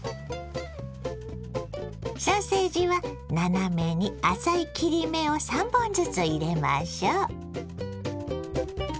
ソーセージは斜めに浅い切り目を３本ずつ入れましょ。